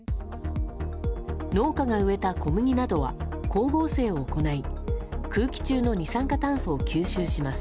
農家が植えた小麦などは光合成を行い空気中の二酸化炭素を吸収します。